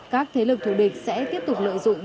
các thế lực thù địch sẽ tiếp tục lợi dụng